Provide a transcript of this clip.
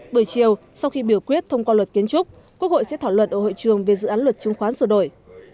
buổi chiều sau khi biểu quyết thông qua luật kiến trúc quốc hội sẽ thỏa luật ở hội trường về dự án luật trung khoán sửa đổi